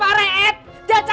pak reet periksa